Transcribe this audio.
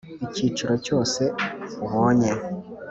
Icyiciro cyse ubonye